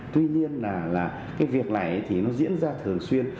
tuy nhiên là cái việc này thì nó diễn ra thường xuyên